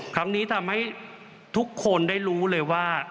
ครั้งนี้ทำให้ทุกคนได้รู้เลยว่า